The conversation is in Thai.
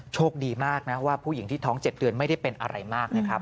โชคดีมากนะว่าผู้หญิงที่ท้อง๗เดือนไม่ได้เป็นอะไรมากนะครับ